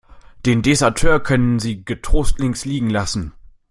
Den Deserteur können Sie getrost links liegen lassen.